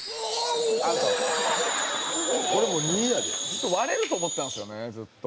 「ずっと割れると思ってたんですよねずっと」